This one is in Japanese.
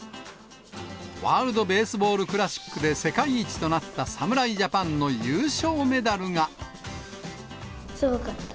ワールドベースボールクラシックで世界一となった侍ジャパンの優すごかった。